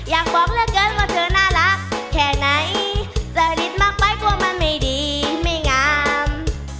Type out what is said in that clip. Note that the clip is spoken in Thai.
อยากบอกเหลือเกินว่าเธอน่ารักแค่ไหนสลิดมากไปกลัวมันไม่ดีไม่งาม